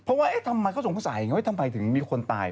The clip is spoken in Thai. เพราะว่าเอ๊ะทำไมเขาสงสัยทำไมถึงมีคนตาย